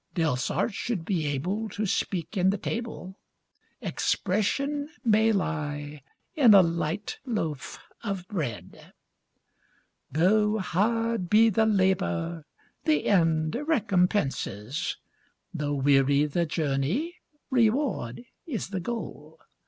Delsarte should be able to speak in the table 'Expression' may lie in a light loaf of bread. Though hard be the labour, the end recompenses Though weary the journey, reward is the goal.